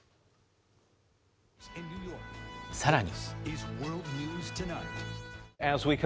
さらに。